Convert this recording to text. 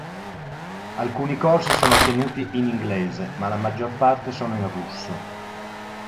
Alcuni corsi sono tenuti in inglese, ma la maggior parte sono in russo.